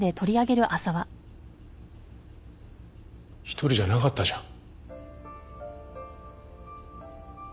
一人じゃなかったじゃん。